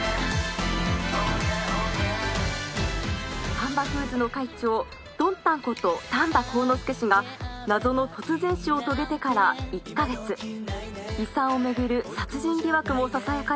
「丹波フーズの会長ドンタンこと丹波幸之助氏が謎の突然死を遂げてから１カ月」「遺産を巡る殺人疑惑もささやかれる中